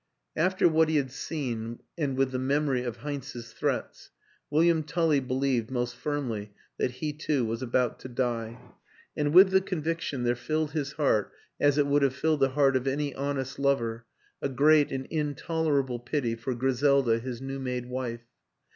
After what he had seen, and with the memory of Heinz's threats, William Tully believed most firmly that he too was about to die; and with the conviction there filled his heart (as it would have filled the heart of any honest lover) a great and intolerable pity for Griselda, his new made wife.